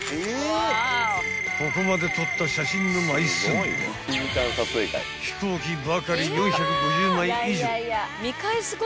［ここまで撮った写真の枚数は飛行機ばかり］